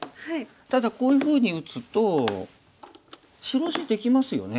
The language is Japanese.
ただこういうふうに打つと白地できますよね。